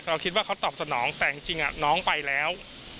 เราคิดว่าเขาตอบสนองแต่จริงน้องไปแล้ว